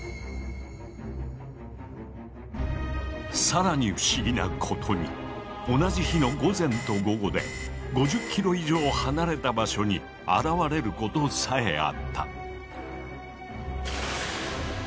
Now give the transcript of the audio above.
更に不思議なことに同じ日の午前と午後で５０ｋｍ以上離れた場所に現れることさえあった。